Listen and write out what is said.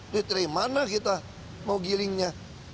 diterima lah kita mau gilingnya